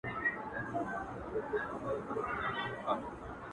په مړاوو گوتو كي قوت ډېر سي ـ